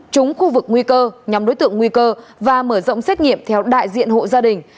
trúng khu vực nguy cơ nhóm đối tượng nguy cơ và mở rộng xét nghiệm theo đại diện hộ gia đình